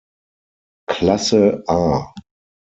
Klasse "A".